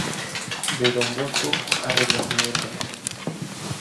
De Don Bosco a Renacimiento.